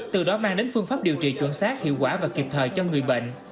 từ đó mang đến phương pháp điều trị chuẩn xác hiệu quả và kịp thời cho người bệnh